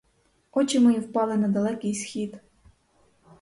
Очі мої впали на далекий схід.